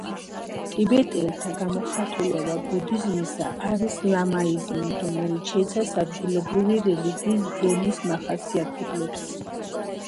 ტიბეტელთა გამოხატულება ბუდიზმისა არის ლამაიზმი, რომელიც შეიცავს ადგილობრივი რელიგიის ბონის მახასიათებლებს.